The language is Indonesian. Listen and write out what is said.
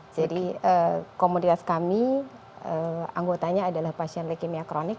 jadi komunitas kami anggotanya adalah pasien leukemia kronik